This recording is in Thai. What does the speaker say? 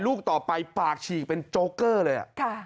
ลูกต่อไปปากฉีกเป็นโจ๊กเกอร์เลย